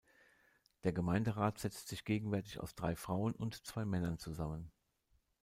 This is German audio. Der Gemeinderat setzt sich gegenwärtig aus drei Frauen und zwei Männern zusammen.